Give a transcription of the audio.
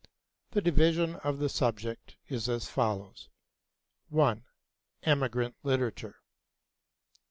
The division of the subject is as follows: 1. 'Emigrant Literature'; 2.